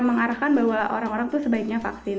mengarahkan bahwa orang orang tuh sebaiknya vaksin